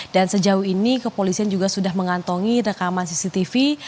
dan sejauh ini kepolisian juga sudah mengantongi rekaman cctv